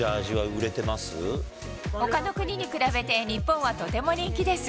ほかの国に比べて、日本はとても人気です。